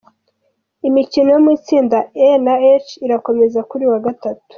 Imikino yo mu itsida E-H irakomeza kuri uyu wa Gatatu.